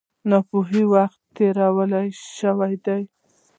د ناپوهۍ وخت تېر شوی دی.